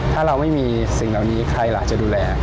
ถ้าเราไม่มีสิ่งเหล่านี้ใครล่ะจะดูแล